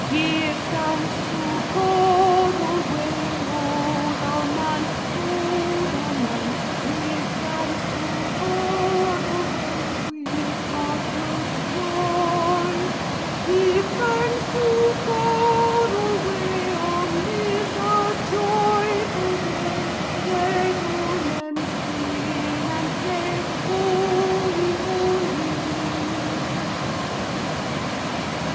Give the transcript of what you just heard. Give thanks to God alway, O thou Man: Give thanks to God alway With heart most joy. Give thanks to God alway On this our joyful day: Let all men sing and say, Holy, Holy!"